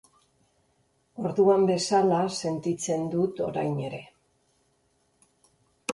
Orduan bezala sentitzen dut orain ere.